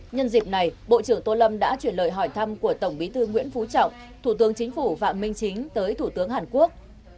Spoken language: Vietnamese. nhân dịp này bộ trưởng tô lâm đã chuyển lời hỏi thăm của tổng bí thư nguyễn phú trọng thủ tướng chính phủ phạm minh chính tới thủ tướng hàn quốc